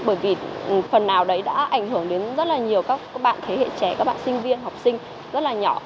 bởi vì phần nào đấy đã ảnh hưởng đến rất là nhiều các bạn thế hệ trẻ các bạn sinh viên học sinh rất là nhỏ